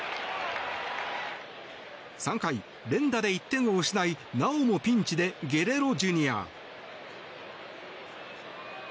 ３回、連打で１点を失いなおもピンチでゲレーロＪｒ．。